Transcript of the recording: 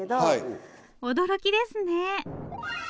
驚きですね。